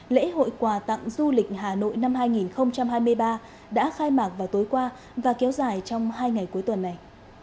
lễ hội quà tặng du lịch hà nội năm hai nghìn hai mươi ba đã khai mạc vào tối qua và kéo dài trong hai ngày cuối tuần này